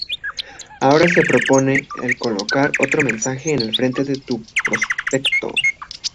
Ahora se propone el colocar otro mensaje en frente de tu prospecto.